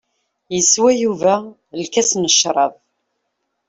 Yeswa Yuba lkas n ccrab.